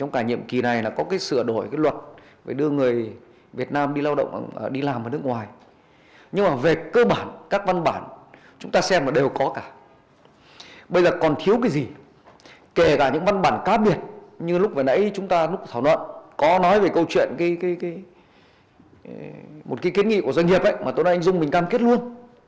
các văn bản chúng ta xem là đều có cả bây giờ còn thiếu cái gì kể cả những văn bản khác biệt như lúc nãy chúng ta lúc thảo luận có nói về câu chuyện một cái kiến nghị của doanh nghiệp ấy mà tôi nói anh dung mình cam kết luôn